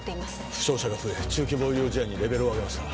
負傷者が増え中規模医療事案にレベルを上げました